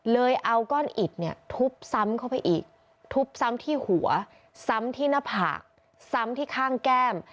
เลยเอาก้อนอิดเนี่ยทุบซ้ำเข้าไปอีกทุบซ้ำที่หัวซ้ำที่หน้าผากซ้ำที่ข้างแก้ม